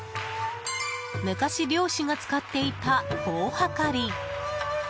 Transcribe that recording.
昔、漁師が使っていた棒はかり。